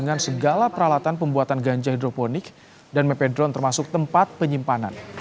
dengan segala peralatan pembuatan ganja hidroponik dan mepedron termasuk tempat penyimpanan